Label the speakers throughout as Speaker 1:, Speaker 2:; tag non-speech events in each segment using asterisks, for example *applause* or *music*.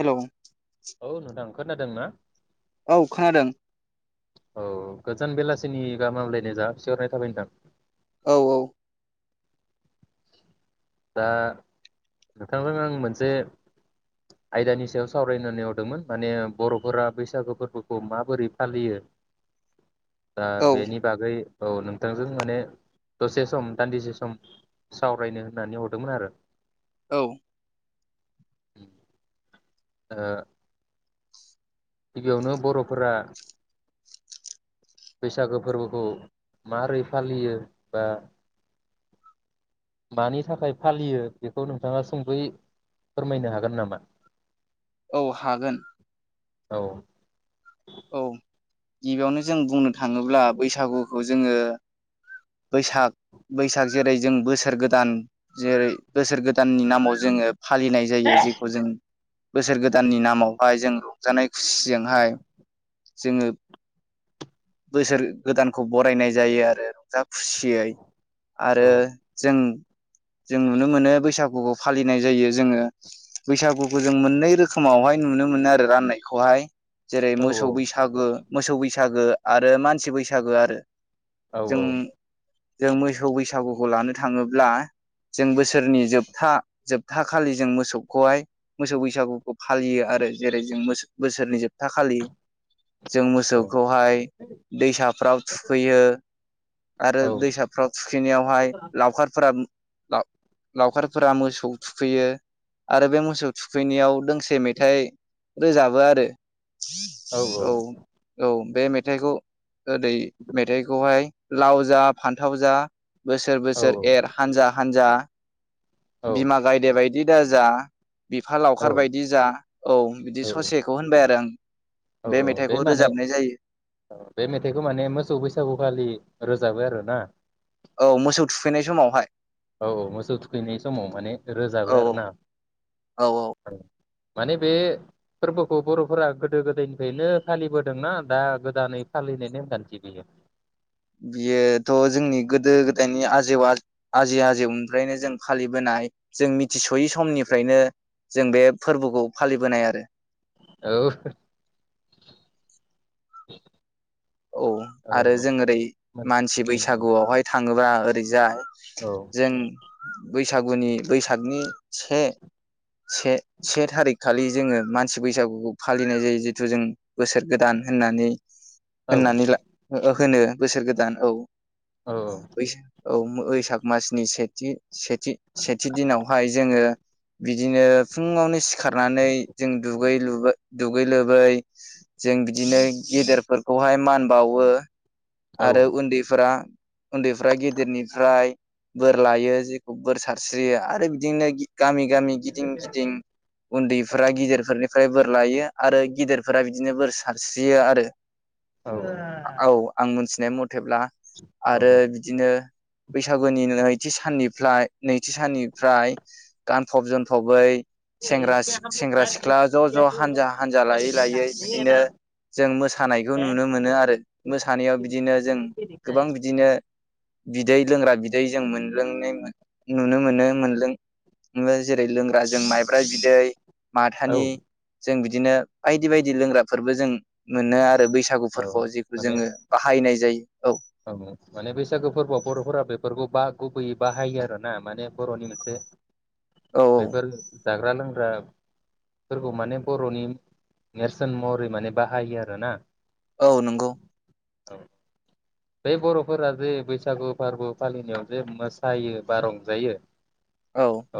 Speaker 1: Hello
Speaker 2: औ नोंथां खोनादों ना?
Speaker 1: औ खोनादों
Speaker 2: औ गोजोन बेलासिनि गाहाम हामलायनाय जासि हरनाय थाबाय नोंथां।
Speaker 1: औ औ
Speaker 2: दा नोंथांजों आं मोनसे आयदानि सायाव सावरायनो होननानै हरदोंमोन माने बर'फोरा बैसागु फोरबोखौ माबोरै फालियो? दा
Speaker 1: औ
Speaker 2: बेनि बागै औ नोंथांजों माने दसे सम दान्दिसे सम सावरायनो होननानै हरदोंमोन आरो।
Speaker 1: औ
Speaker 2: उम ओ गिबियावनो बर'फोरा बैसागो फोरबोखौ मारै फालियो बा मानि थाखाय फालियो बेखौ नोंथांङा सुंदयै फोरमायनो हागोन नामा?
Speaker 1: औ हागोन।
Speaker 2: औ
Speaker 1: औ गिबियावनो जों बुंनो थांङोब्ला बैसागुखौ जोंङो बैसाग बैसाग जेरै जों बोसोर गोदान जेरै बोसोर गोदाननि नामाव जोंङो फालिनाय जायो जे खौ जों बोसोर गोदाननि नामावहाय जों रंजानाय खुसिजोंहाय जोंङो बोसोर गोदानखौ बरायनाय जायो आरो रंजा खुसियै
Speaker 2: औ
Speaker 1: आरो जों जों नुनो मोनो बैसागुखौ फालिनाय जायो जोंङो बैसागुखौ जों मोननै रोखोमावहाय नुनो मोनो आरो राननायखौ हाय जेरै
Speaker 2: औ
Speaker 1: मोस सौ बैसागो, मोसौ बैसागो आरो मानसि बैसागो आरो।
Speaker 2: औ
Speaker 1: जों
Speaker 2: औ
Speaker 1: जों मोसौ बैसागुखौ लानो थांङोब्ला जों बोसोरनि जोबथा जोबथा खालि जों मोसौखौहाय मोसौ बैसागुखौ फालियो आरो जेरै जों मोस-बोसोरनि जोबथा खालि जों
Speaker 2: औ
Speaker 1: मोसौखौहाय दैसाफ्राव थुखैयो आरो
Speaker 2: औ
Speaker 1: दैसाफ्राव थुखैनायावहाय लावखारफोरा लाव-लावखारफोरा मोसौ थुखैयो आरो बे मोसौ थुखैनायाव दोंसे मेथाइ रोजाबो आरो। औ औ बे मेथाइखौ ओदै मेथाइखौहाय लाव जा फान्थाव जा बोसोर
Speaker 2: औ
Speaker 1: बोसोर एर हानजा हानजा *inaudible*
Speaker 2: औ
Speaker 1: बिमा गायदे बाय दि दाजा बिफा
Speaker 2: औ
Speaker 1: लावखार बायदि जा औ बिदि
Speaker 2: औ
Speaker 1: ससेखौ होनबाय आरो आं
Speaker 2: औ
Speaker 1: बे
Speaker 2: औ बै
Speaker 1: मेथाइखौ
Speaker 2: माने
Speaker 1: रोजाबनाय जायो
Speaker 2: बे मेथाइखौ माने मोसौ बैसागुखालि रोजाबो आरो ना?
Speaker 1: औ मोसौ थुखैनाय समावहाय
Speaker 2: औ औ मोसौ थुखैनाय समाव माने रोजाबो
Speaker 1: औ
Speaker 2: आरो ना? औ माने बे फोरबोखौ बर'फोरा गो दो-गोदायनिफ्रायनो फालिबोदोंना दा गोदानै फालिनाय नेमखान्थि बेयो?
Speaker 1: बियोथ' जोंनि गोदो-गोदायनि आजौ-आजै-आजौनिफ्रायनो जों फालिबोनाय जों मिथिस'यै समनिफ्रायनो जों बे फोरबोखौ फालिबोनाय आरो।
Speaker 2: औ।
Speaker 1: औ आरो जों ओरै
Speaker 2: मोन
Speaker 1: मानसि
Speaker 2: उम उम
Speaker 1: बैसागुआवहाय थाङोब्ला जाय
Speaker 2: औ
Speaker 1: जों बैसागुनि बैसागनि से-से-से थारिख खालि जोङो मानसि बैसागुखौ फालिनाय जायो जिथु जों बोसोर गोदान होननानै होननानै ला ओ होनो बोसोर गोदान औ।
Speaker 2: औ औ।
Speaker 1: औ बैसाग मासनि सेथि सेथि-सेथि दिनावहाय जोङो बिदिनो फुङावनो सि खारनानै जों दुगै-लो दुगै-लोबै जों बिदिनो गेदेर फोर खौहाय मान बावो
Speaker 2: औ
Speaker 1: आरो उन्दैफोरा उन्दैफ्रा गेदेरनिफ्राय बोर लायो जेखौ बोर सारस्रियो आरो बिदिनो गामि-गामि, गिदिं-गिदिं उन्दैफोरा गिदिरफोरनि फ्राय बोर लायो आरो गिदिरफोरा बिदिनो बोर सारस्रियो आरो।
Speaker 2: औ
Speaker 1: औ आं मोनथिनाय म थेब्ला
Speaker 2: औ
Speaker 1: आरो
Speaker 2: औ
Speaker 1: बिदिनो बैसागुनि नैथि साननि फ्राय नैथि साननिफ्राय गानफब जोमफबै सेंग्रा
Speaker 2: इसमें
Speaker 1: सिख
Speaker 2: हम
Speaker 1: -
Speaker 2: लोग
Speaker 1: सेंग्रा
Speaker 2: टाइम
Speaker 1: सिख्ला ज'-ज'
Speaker 2: किया तो
Speaker 1: हानजा-हानजा
Speaker 2: किधर लिखेगा
Speaker 1: लायै-लायै
Speaker 2: नहीं है ना।
Speaker 1: बिदिनो जों मोसा मोसानायखौ नुनो मोनो आरो
Speaker 2: औ
Speaker 1: मोसानायाव बिदिनो जों गोबां बिदिनो बिदै लोंग्रा बिदै जों मोनलोंनायमोन नुनो मोनो मोनलों ओं जेरै लोंग्रा बा जों माइब्रा बिदै माथानि स जों बिदिनो बायदि बायदि लोंग्राफोरबो जों मोनो आरो ओ बैसागु
Speaker 2: औ
Speaker 1: फोरखौ जेखौ
Speaker 2: माने
Speaker 1: जोङो बाहायनाय जायो। औ।
Speaker 2: औ माने बैसागो फोरबोआव बर'फोरा बेफोरखौ बा गुबैयै बाहायो आरोना माने बर'नि मोनसे
Speaker 1: औ औ
Speaker 2: बेफोर जाग्रा लोंग्रा- फोरा फोरखौ माने बर'नि नेरसोन महरै माने बाहायो आरोन
Speaker 1: औ नोंगौ।
Speaker 2: औ। बै बर'फोरा जे बैसागु फोरबो फालिनायाव जे मोसायो बा रंजायो।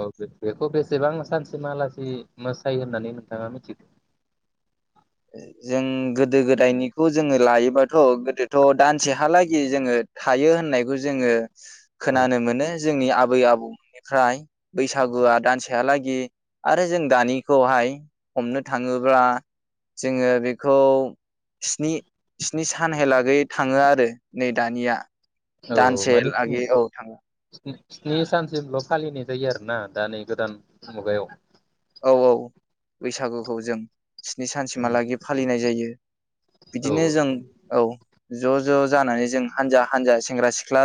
Speaker 2: औ *unintelligible* बेखौ बेसेबां सानसे मालासि मोसायो होननानै नोंथाङा मिथिगौ
Speaker 1: ओ जों गोदो-गोदायनिखौ जोङो लायोबाथ' गोदोथ' दानसेहालागै जोङो हायो होननायखौ जोङो
Speaker 2: औ
Speaker 1: खोनानो मोनो जोंनि आ आबै आबौमोननिफ्राय बैसागुआ दानसेहालागि आरो जों दानिखौहाय हमनो थाङोब्ला- जोङो बेखौ स्नि- स्नि सानहालागै थाङो आरो आरो नै दानिया
Speaker 2: औ
Speaker 1: दानसे
Speaker 2: माने
Speaker 1: लागि औ थाङो।
Speaker 2: स्नि स्नि सानसिमल' फालिनाय जायो आरो ना दा नै गोदान मुगायाव।
Speaker 1: औ-औ बैसागुखौ जों- स्नि सानसिमहालागै फालिनाय जायो।
Speaker 2: औ
Speaker 1: बिदिनो
Speaker 2: औ
Speaker 1: जों औ ज' ज' जानानै जों हानजा-हानजा सेंग्रा-सिख्ला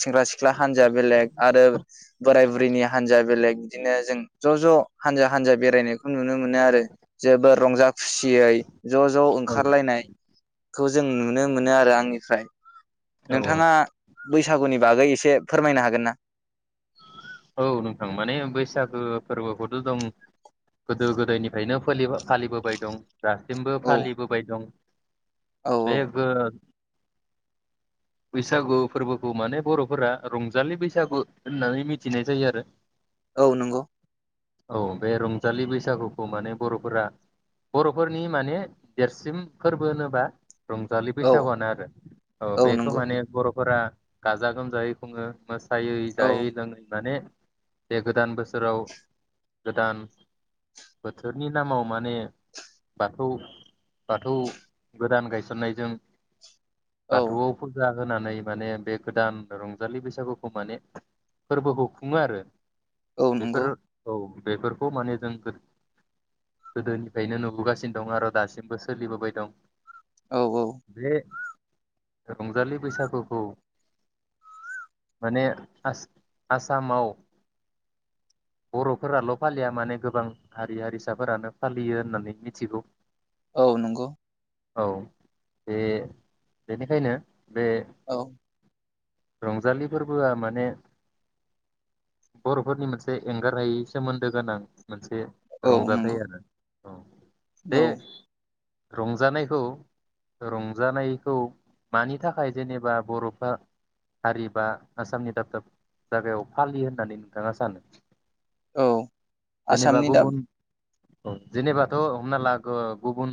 Speaker 1: सेंग्रा-सिख्ला हान्जाया बेलेग आरो बोराय बुरैनि हान्जाया बेलेग- बिदिनो जों ज'-ज' हानजा-हानजा बेरायनायखौ नुनो मोनो आरो जोबोर रंजा खुसियै ज'-ज'
Speaker 2: औ
Speaker 1: ओंखारलायनाय। खौ जों नुनो मोनो आरो आंनिफ्राय-
Speaker 2: औ
Speaker 1: नोंथाङा- बैसागुनि बागै एसे फोरमायनो हागोन ना
Speaker 2: औ नोंथां माने बैसागो फोरबोखौथ' दं गोदो गोदायनिफ्रायनो फोलिबा फालिबोबाय दं। दासिमबो
Speaker 1: औ
Speaker 2: फालिबोबाय दं
Speaker 1: औ
Speaker 2: *unintelligible* बैसागु फोरबोखौ माने बरफोरा रंजालि बैसागु होननानै मिथि थिनाय जायो आरो
Speaker 1: औ नंगौ
Speaker 2: औ बे रंजालि बैसागुखौ माने बरफोरा बरफोरनि माने देरसिन फोरबो होनोबा रंजालि
Speaker 1: औ
Speaker 2: बैसागुआनो आरो औ बेखौ माने बरफोरा गाजा गोमजायै खुङो मोन जायो
Speaker 1: औ
Speaker 2: जायो दं *unintelligible* माने जे गोदान बोसोराव गोदान बोथोरनि नामाव माने बाथौ बाथौ गोदान गायसननायजों
Speaker 1: औ
Speaker 2: बाथौ फुजा होनानै माने बे गोदान रंजालि बैसागुखौ माने फोरबोखौ खुङो आरो
Speaker 1: औ
Speaker 2: बेफोर
Speaker 1: नंगौ
Speaker 2: औ बेफोरखौ माने जों गोदोनिफ्रायनो नुबोगासिनो दं आरो दासिमबो सोलिबोबाय दं
Speaker 1: औ औ
Speaker 2: बे रंजालि बैसागुखौ माने आस आसामाव बरफोराल फालिया माने गोबां हारि हारिसाफोरानो फालियो होननानै मिथिगौ
Speaker 1: औ नंगौ
Speaker 2: औ बे बेनिखायनो बे
Speaker 1: औ
Speaker 2: रंजालि फोरबोआ माने बरफोरनि मोनसे एंगारहायै सोमोन्दो गोनां मोनसे एसे
Speaker 1: औ नंगौ
Speaker 2: रंजाथाइ आरो औ
Speaker 1: औ
Speaker 2: दे रंजानायखौ रंजानायखौ मानि थाखाय जेनेबा बरफोरा हारि बा आसामनि दाब दाब जागायाव फालि होननानै नोंथाङा सानो
Speaker 1: औ आसामनि दा
Speaker 2: गुबुन जेनेबा' हमना ला गुबुन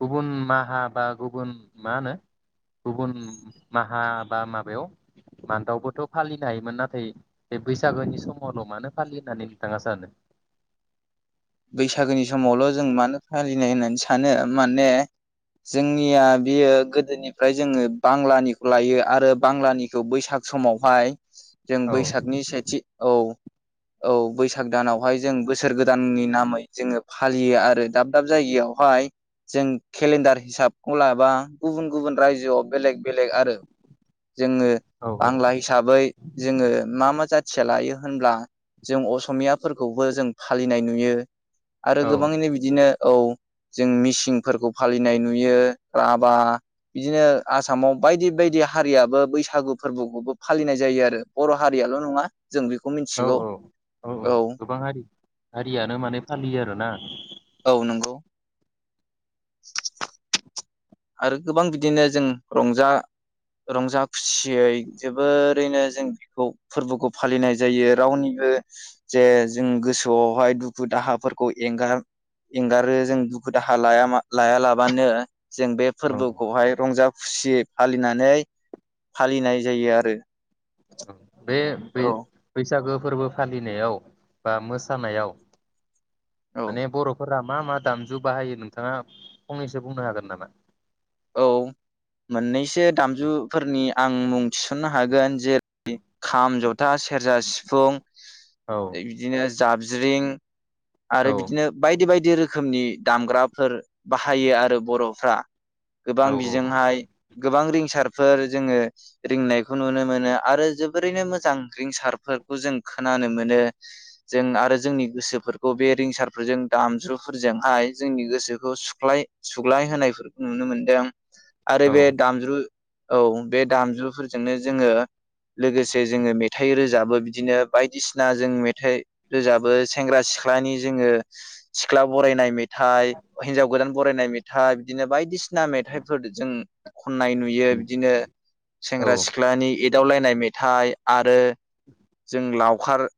Speaker 2: गुबुन माहा बा गुबुन मा होनो गुबुन माहा बा माबायाव मान्थावबोथ फालियो हायोमोन नाथाय बे बैसागोनि समावल मानो फालियो होननानै नोंथाङा सानो
Speaker 1: बैसागोनि समावल जों मानो फालिनाय होननानै सानो माने जोंनिया बेयो गोदोनिफ्राय जोङो बांलानिखौ लायो आरो बांलानिखौ बैसाग समावहाय जों
Speaker 2: औ
Speaker 1: बैसागनि सेथि औ औ बैसाग दानावहाय जों बोसोर गोदाननि नामै जोङो फालियो आरो दाब दाब जायगायावहाय जों केलेन्डार हिसाबखौ लाबा गुबुन गुबुन रायजोआव बेलेग बेलेग आरो जोङो
Speaker 2: औ
Speaker 1: बांला हिसाबै जोङो मा मा जाथि मानसिया लायो होनब्ला जों असमियाफोरखौबो जों फालिनाय नुयो आरो
Speaker 2: औ
Speaker 1: गोबाङैनो बिदिनो औ जों मिसिंफोरखौ फालिनाय नुयो राभा बिदिनो आसामाव बायदि बायदि हारियाबो बैसागु फोरबोखौबो फालिनाय जायो आरो बर हारियाल नङा जों बेखौ
Speaker 2: औ
Speaker 1: मिथिगौ औ।
Speaker 2: हारियानो माने फालियो आरोना
Speaker 1: औ नंगौ *inaudible* आरो गोबां बिदिनो जों रंजा रंजा खुसियै जोबोरैनो जों बेखौ फोरबोखौ फालिनाय जायो रावनिबो जे जों गोसोआवहाय दुखु दाहाफोरखौ एंगार एंगारो
Speaker 2: औ
Speaker 1: जों दुखु दाहा लाया लायालाबानो जों बे फोरबोखौहाय रंजा खुसियै फालिनानै फालिनाय जायो आरो
Speaker 2: *inaudible* बे
Speaker 1: औ
Speaker 2: बै-बैसागो फोरबो फालिनायाव बा मोसानायाव
Speaker 1: औ
Speaker 2: माने बर'फोर फोरा मा मा दामजु बाहायो नोंथाङा फंनैसो बुंनो हागोन नामा?
Speaker 1: औ मोननैसो दामजुफोरनि आं मुं थिसननो हागोन खाम, ज था, सेरजा, सिफुं
Speaker 2: औ
Speaker 1: इदिनो जाबज्रिं
Speaker 2: औ
Speaker 1: आरो बिदिनो बायदि बायदि रो खोमनि दामग्राफोर बाहायो आरो बर'फ्रा।
Speaker 2: औ
Speaker 1: गोबां बिजोंहाय गोबां रिंसार फोर जोङो रिंनायखौ नुनो मोनो आरो जोबोरैनो मोजां रिंसारफोरखौ जों खोनानो मोनो। जों आरो जोंनि गोसोफोरखौ बे रिंसारफोरजों दामज्रुफोरजोंहाय जोंनि गोसोखौ सुग्लाय सुग्लाय होनायफोर नुनो मोनदों। आरो
Speaker 2: औ
Speaker 1: बे दामज्रु औ बे दामजुफोरजोंनो जोङो लोगोसे जोङो मेथाइ रोजाबो बिदिनो बायदिसिना जों मेथाइ रोजाबो सेंग्रा सिख्लानि जोङो सिख्ला बरायनाय मे थाइ हिनजाव गोदान बरायनाय मेथाइ बिदिनो बाय दिसिना मेथाइफोर जों खननाय नुयो बिदिनो
Speaker 2: औ
Speaker 1: सेंग्रा सिख्लानि एदावलायनाय मेथाइ आरो जों लावखार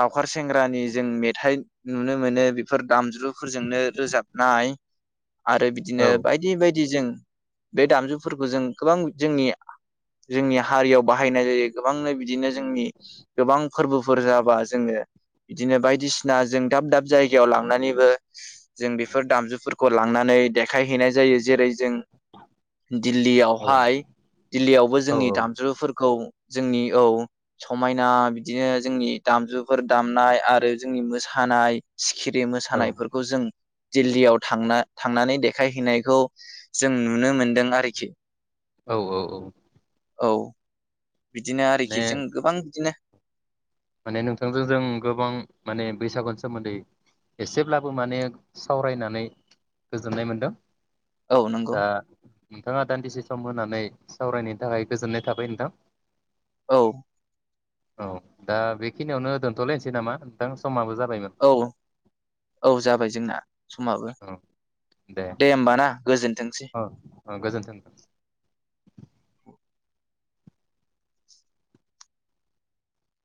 Speaker 1: लावखार सेंग्रानि जों मेथाइ नुनो मोनो बेफोर दामजुफोरजोंनो रोजाबनाय। आरो
Speaker 2: औ
Speaker 1: बिदिनो बेबायदि जों बे दामजुफोरखौ जों गोबां जोंनि जोंनि हारियाव बाहायनाय जायो गोबांनो बिदिनो जोंनि गोबां फोर्बोफोर जाबा जोङो बिदिनो बायदिसिना जों दाब दाब जायगायाव लांनानैबो जों बेफोर दामजुफोरखौ लांनानै देखायहैनाय जायो जेरै जों
Speaker 2: औ
Speaker 1: दिल्लीयावहाय दिल्लीयावबो जोंनि दामजुफोरखौ जोंनि औ समायना बिदिनो जोंनि दामजुफोर दामनाय आरो जोंनि मोसानाय सि खिरि
Speaker 2: औ
Speaker 1: मोसानायफोरखौ जों दिल्लीयाव थांना थांनानै देखायहैनाय बेखौ जों नुनो मोनदों आरोखि।
Speaker 2: औ औ औ।
Speaker 1: औ। बिदिनो आरोखि
Speaker 2: माने
Speaker 1: जों गोबां बिदिनो
Speaker 2: माने नोंथांजों जों गोबां माने बैसागुनि सोमोन्दै एसेब्लाबो माने सावरायनानै गोजोननाय मोनदों।
Speaker 1: औ नंगौ
Speaker 2: दा नोंथांङा दान्दिसे सम होना नै सावरायनायनि थाखाय गोजोननाय थाबाय नोंथां।
Speaker 1: औ।
Speaker 2: औ। दा बेखिनियावनो दोन्थ'लायनोसै नामा नोंथां समाबो जा
Speaker 1: औ औ जाबाय जोंना समाबो
Speaker 2: औ
Speaker 1: दे होमबा ना गोजोन्थों
Speaker 2: औ औ गोजोथों